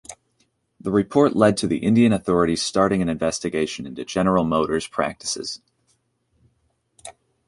The report led to the Indian authorities starting an investigation into General Motors' practices.